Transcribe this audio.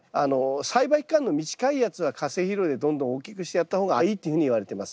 栽培期間の短いやつは化成肥料でどんどん大きくしてやった方がいいっていうふうにいわれてます。